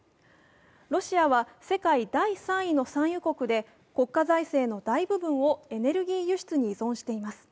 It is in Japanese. ロシアは世界第３位の産油国で、国家財政の大部分をエネルギー輸出に依存しています。